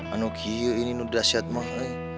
anu kia ini nudra siat mah